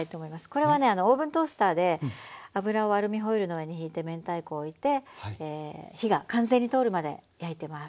これはねオーブントースターで油をアルミホイルの上にひいて明太子を置いて火が完全に通るまで焼いてます。